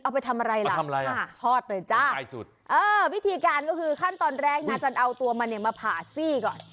เออพิธีการก็คือขั้นตอนแรกนาจรันเอาตัวมาเนี่ยมาผ่าซีคก่อน